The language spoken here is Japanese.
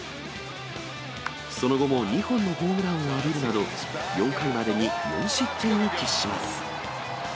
その後も２本のホームランを浴びるなど、４回までに４失点を喫します。